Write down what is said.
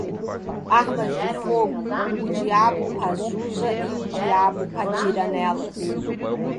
Armas de fogo, o diabo as usa e o diabo atira nelas.